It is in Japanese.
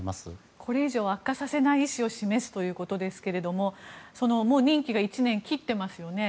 これ以上、悪化させない意思を示すということですがもう任期が１年を切ってますね。